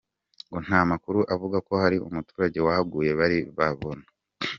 Ngo nta makuru avuga ko hari umuturage wahaguye bari babona.